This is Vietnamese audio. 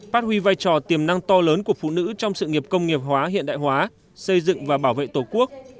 phát huy vai trò tiềm năng to lớn của phụ nữ trong sự nghiệp công nghiệp hóa hiện đại hóa xây dựng và bảo vệ tổ quốc